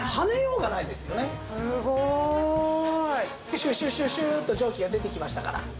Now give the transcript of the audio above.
シュシュシュシューッと蒸気が出てきましたから。